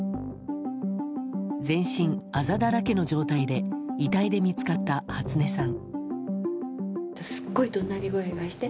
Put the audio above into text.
全身あざだらけの状態で遺体で見つかった初音さん。